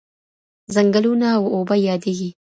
ځنګلونه او اوبه یادېږي.